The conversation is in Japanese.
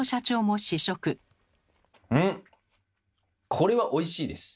これはおいしいです。